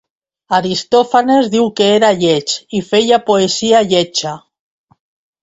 Aristòfanes diu que era lleig i feia poesia lletja.